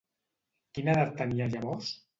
Quina edat tenia llavors?